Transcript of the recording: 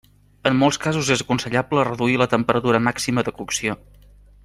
En molts casos és aconsellable reduir la temperatura màxima de cocció.